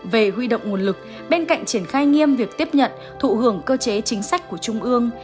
về huy động nguồn lực bên cạnh triển khai nghiêm việc tiếp nhận thụ hưởng cơ chế chính sách của trung ương